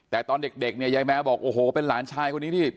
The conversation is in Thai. แต่ตอนเด็กเนี่ยยายแมวบอกโอ้โหเป็นหลานชายคนนี้ที่